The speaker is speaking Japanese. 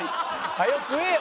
早う食えよ！